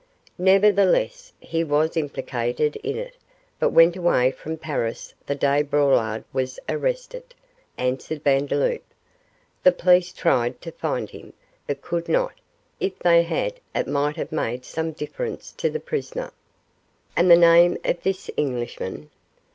'Nevertheless he was implicated in it, but went away from Paris the day Braulard was arrested,' answered Vandeloup. 'The police tried to find him, but could not; if they had, it might have made some difference to the prisoner.' 'And the name of this Englishman?